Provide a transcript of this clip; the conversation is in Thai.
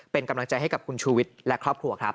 เป็นกำลังใจให้กับคุณชูวิทย์และครอบครัวครับ